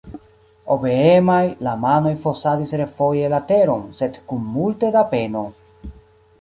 Obeemaj, la manoj fosadis refoje la teron, sed kun multe da peno.